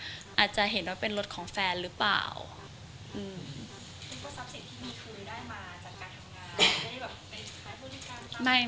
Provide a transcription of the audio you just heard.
แล้วเรารู้ไหมว่าเรามีรูปอยู่ในเว็บขายบริการ